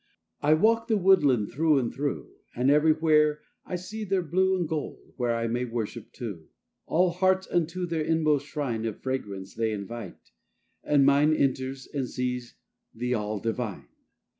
I walk the woodland through and through, And everywhere I see their blue And gold where I may worship too. All hearts unto their inmost shrine Of fragrance they invite; and mine Enters and sees the All Divine.